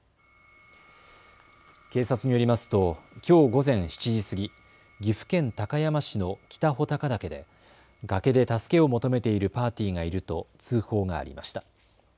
警察によりますときょう午前７時過ぎ、岐阜県高山市の北穂高岳で崖で助けを求めているパーティーがいると通報がありました。